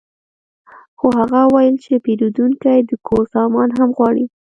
خو هغه وویل چې پیرودونکی د کور سامان هم غواړي